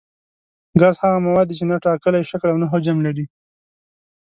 ګاز هغه مواد دي چې نه ټاکلی شکل او نه حجم لري.